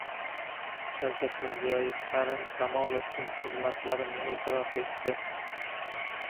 Shavkat Mirziyoyev Karim Kamolovning xizmatlarini e’tirof etdi